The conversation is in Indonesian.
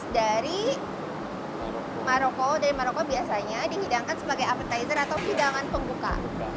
dari maroko dari maroko biasanya dihidangkan sebagai appetizer atau hidangan pembuka